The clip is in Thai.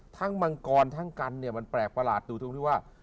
ทั้งมังกรมันแปลกประหลาดดูทุกที่ว่า